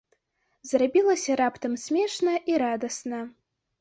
Зрабілася раптам смешна і радасна.